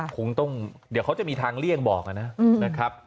คงต้องเดี๋ยวเขาจะมีทางเลี่ยงบอกนะครับ